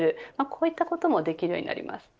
こういったこともできるようになります。